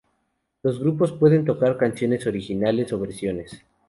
Los grupos pueden tocar canciones originales o versiones.